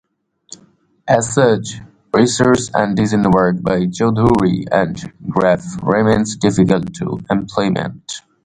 As such, research and design work by Chowdhury and Graff remains difficult to implement.